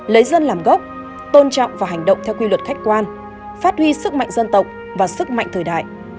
lấy dân làm gốc tôn trọng và hành động theo quy luật khách quan phát huy sức mạnh dân tộc và sức mạnh thời đại